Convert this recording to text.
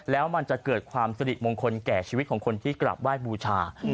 แล้วมันจะเกิดความสริมงคลแก่ชีวิตของคนที่กราบไหว้บูชา